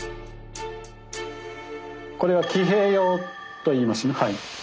これは「騎兵俑」といいますね。